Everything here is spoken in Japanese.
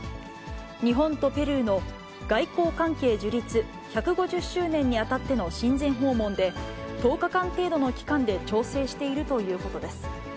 日本とペルーの外交関係樹立１５０周年にあたっての親善訪問で、１０日間程度の期間で調整しているということです。